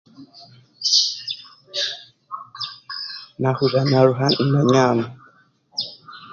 Naahurira naaruha ndanyaama